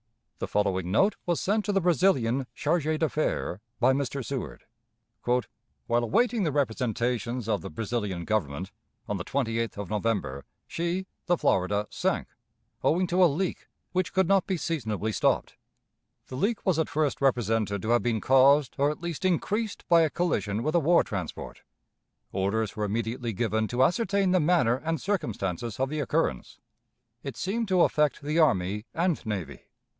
The following note was sent to the Brazilian chargé d'affaires by Mr. Seward: "While awaiting the representations of the Brazilian Government, on the 28th of November she [the Florida] sank, owing to a leak, which could not be seasonably stopped. The leak was at first represented to have been caused, or at least increased, by collision with a war transport. Orders were immediately given to ascertain the manner and circumstances of the occurrence. It seemed to affect the army and navy.